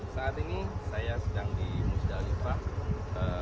saat ini saya sedang di musdalifah